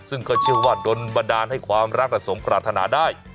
ซึ่งก็เชื่อว่าโดนบันดาลให้ความรักและสมปรารถนาได้